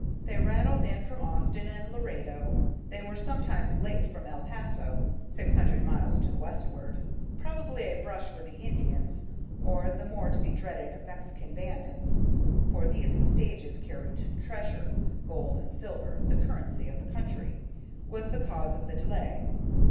They rattled in from Austin and Laredo. They were sometimes late from El Paso, six hundred miles to the westward. Probably a brush with the Indians, or the more to be dreaded Mexican bandits (for these stages carried treasure gold and silver, the currency of the country), was the cause of the delay.